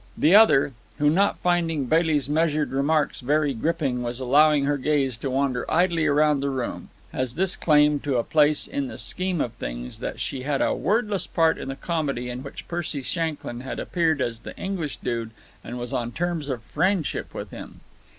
The other, who, not finding Bailey's measured remarks very gripping, was allowing her gaze to wander idly around the room, has this claim to a place in the scheme of things, that she had a wordless part in the comedy in which Percy Shanklyn had appeared as the English dude and was on terms of friendship with him.